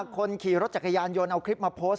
คนขี่รถจักรยานยนต์เอาคลิปมาโพสต์